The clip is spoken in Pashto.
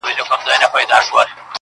دغه ګناه مي لویه خدایه په بخښلو ارزي,